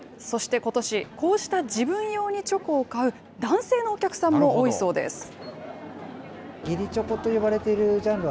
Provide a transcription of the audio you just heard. そしてことし、こうした自分用にチョコを買う男性のお客さんも多いそうです。